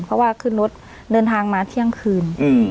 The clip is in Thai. เพราะว่าขึ้นรถเดินทางมาเที่ยงคืน